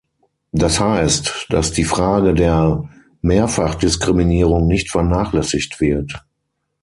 Das heißt, dass die Frage der Mehrfachdiskriminierung nicht vernachlässigt wird.